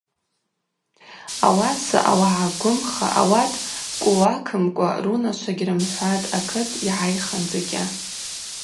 Ауаса ауагӏа гвымха ауат кӏулакымкӏва рунашва гьрымхӏватӏ акыт йгӏайхындзыкӏьа.